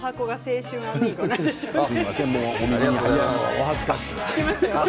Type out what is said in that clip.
お恥ずかしい。